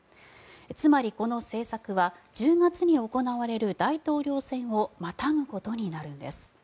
つまり、この政策は１０月に行われる大統領選をまたぐことになるんです。